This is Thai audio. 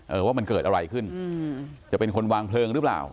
เออว่ามันเกิดอะไรขึ้นอืมจะเป็นคนวางเพลิงหรือเปล่า